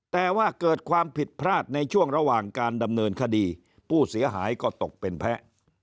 แต่ว่าเกิดความผิดพลาดในช่วงระหว่างการดำเนินคดีผู้เสียหายก็ตกเป็นแพ้